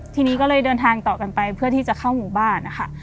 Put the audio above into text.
ทีนี้ก็เลยเดินทางต่อกันไปเพื่อที่จะเข้าหมู่บ้านนะคะ